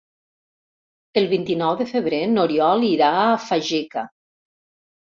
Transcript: El vint-i-nou de febrer n'Oriol irà a Fageca.